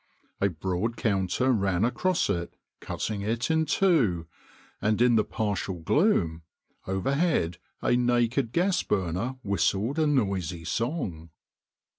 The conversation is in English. A broad counter ran across it, cutting it in two, and in the partial gloom overhead a naked gas burner whistled a noisy song.